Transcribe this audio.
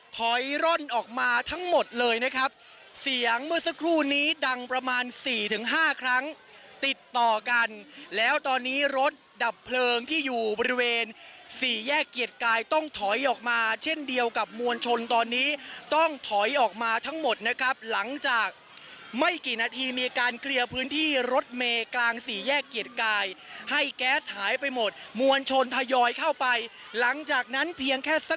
ถอยร่นออกมาทั้งหมดเลยนะครับเสียงเมื่อสักครู่นี้ดังประมาณสี่ถึงห้าครั้งติดต่อกันแล้วตอนนี้รถดับเพลิงที่อยู่บริเวณสี่แยกเกียรติกายต้องถอยออกมาเช่นเดียวกับมวลชนตอนนี้ต้องถอยออกมาทั้งหมดนะครับหลังจากไม่กี่นาทีมีการเคลียร์พื้นที่รถเมย์กลางสี่แยกเกียรติกายให้แก๊สหายไปหมดมวลชนทยอยเข้าไปหลังจากนั้นเพียงแค่สัก